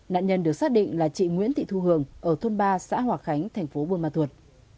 nạn nhân được xác định là chị nguyễn thị thu hường ở thôn ba xã hòa khánh thành phố buôn ma thuột